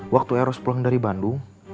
waktu eros pulang dari bandung